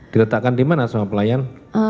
diletakkan dimana sama pelayan